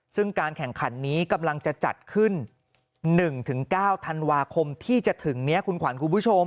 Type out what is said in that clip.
ซึ่งการแข่งขันนี้กำลังจะจัดขึ้น๑๙ธันวาคมที่จะถึงนี้คุณขวัญคุณผู้ชม